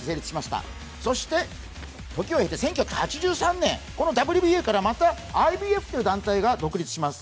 そして時を経て１９８３年、このＷＢＡからまたＩＢＦという団体が独立します。